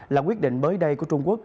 là quyết định mới đây của trung quốc